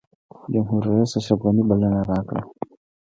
جمهورریس اشرف غني بلنه راکړه.